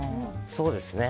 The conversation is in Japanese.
そうですね。